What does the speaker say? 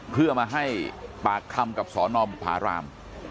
เพื่อมาให้ปากคำกับสนบุภาราม